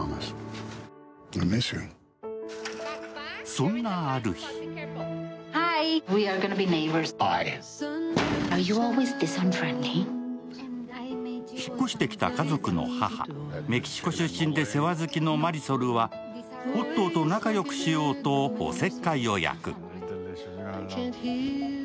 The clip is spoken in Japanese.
そんなある日引っ越してきた家族の母、メキシコ出身で世話好きのマリソルはオットーと仲よくしようとおせっかいを焼く。